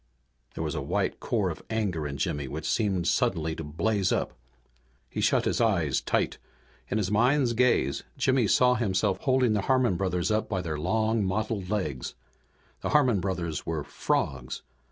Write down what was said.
There was a white core of anger in Jimmy which seemed suddenly to blaze up. He shut his eyes tight. In his mind's gaze Jimmy saw himself holding the Harmon brothers up by their long, mottled legs. The Harmon brothers were frogs.